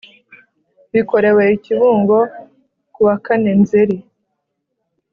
Bikorewe i Kibungo ku wa kane nzeri